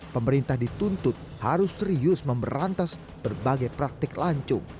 pemerintah dituntut harus serius memberantas berbagai praktik lancung